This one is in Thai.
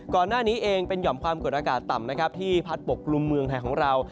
ก่อนหน้านี้เองเป็นห่อมความกดอากาศต่ำนะครับที่พัดปกกลุ่มเมืองไทยของเรา